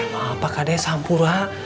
maaf pak kades hampirlah